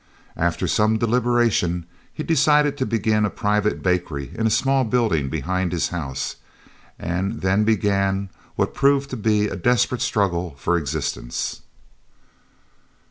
After some deliberation he decided to begin a private bakery in a small building behind his house, and then began what proved to be a desperate struggle for existence.